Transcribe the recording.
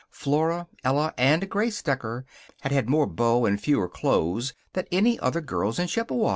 Flora, Ella, and Grace Decker had had more beaux and fewer clothes than any other girls in Chippewa.